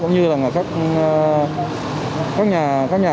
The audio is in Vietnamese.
cũng như là các nhà